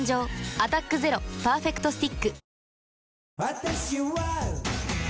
「アタックＺＥＲＯパーフェクトスティック」